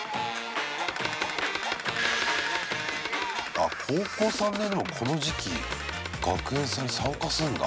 あっ、高校３年のこの時期学園祭に参加すんだ。